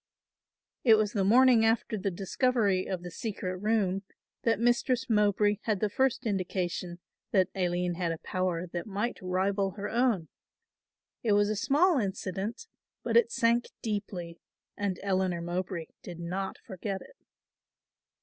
It was the morning after the discovery of the secret room that Mistress Mowbray had the first indication that Aline had a power that might rival her own. It was a small incident, but it sank deeply and Eleanor Mowbray did not forget it.